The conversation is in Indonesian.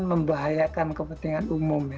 membahayakan kepentingan umum ya